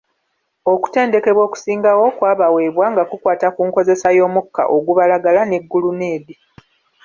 Okutendekebwa okusingawo kwa bawebwa nga kukwata ku nkozesa y'omukka ogubalagala ne guluneedi.